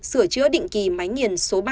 sửa chữa định kỳ máy nhiền số ba